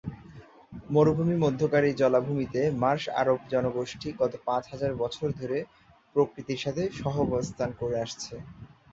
মরুভূমির মধ্যকার এই জলাভূমিতে মার্শ আরব জনগোষ্ঠী গত পাঁচ হাজার বছর ধরে প্রকৃতির সাথে সহাবস্থান করে আসছে।